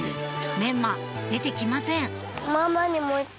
メンマ出て来ません